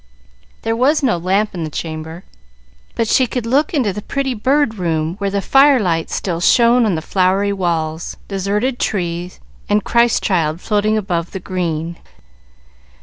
There was no lamp in the chamber, but she could look into the pretty Bird Room, where the fire light still shone on flowery walls, deserted tree, and Christ child floating above the green.